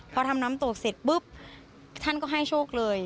พอทำน้ำตกเสร็จปุ๊บท่านก็ให้โชคเลย